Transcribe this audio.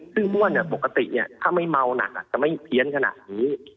ซึ่งอ้วนปกติถ้าไม่เมาหนักจะไม่เพี้ยนขนาดนี้